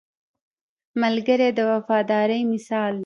ملګری د وفادارۍ مثال دی